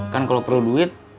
kan kalau perlu duit saya bisa